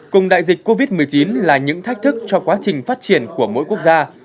cùng đại dịch covid một mươi chín là những thách thức cho quá trình phát triển của mỗi quốc gia